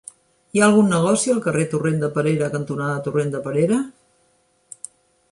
Hi ha algun negoci al carrer Torrent de Perera cantonada Torrent de Perera?